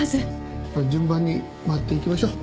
順番に回っていきましょう。